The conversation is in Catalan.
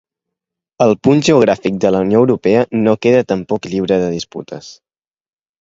El punt geogràfic de la Unió Europea no queda tampoc lliure de disputes.